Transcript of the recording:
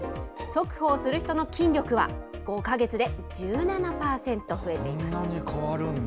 速歩をする人の筋力は、５か月で１７％増えています。